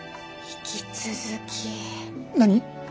何？